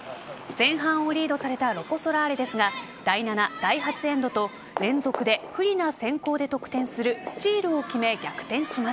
前半をリードされたロコ・ソラーレですが第７、８エンドと連続で不利な先攻で得点するスチールを決め逆転します。